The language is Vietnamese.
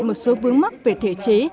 một số vướng mắc về thể chế